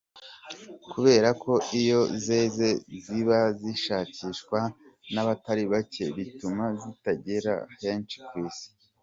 Kubera ko iyo zeze ziba zishakishwa n’abatari bake bituma zitagera henshi ku isi.